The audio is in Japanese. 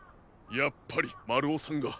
やっぱりまるおさんが。